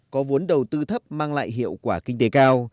có vốn đầu tư thấp mang lại hiệu quả kinh tế cao